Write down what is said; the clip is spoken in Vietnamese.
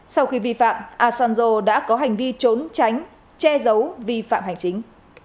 sau khi vi phạm asanjo đã có hành vi trốn tránh che giấu vi phạm hành chính